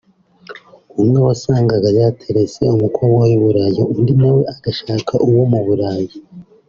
umwe wasangaga yaterese umukobwa w’i Burayi undi nawe agashaka uwo mu Burayi